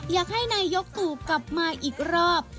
อยากให้นายกตู่กลับมาอีกรอบ